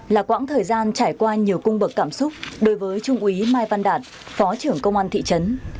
là quãng thời gian trải qua nhiều cung bậc cảm xúc đối với trung úy mai văn đạt phó trưởng công an thị trấn